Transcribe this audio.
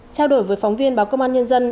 trao đổi với phóng viên báo công an nhân dân